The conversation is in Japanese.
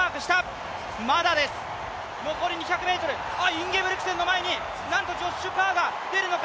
インゲブリクセンの前に、なんとジョッシュ・カーが出るのか。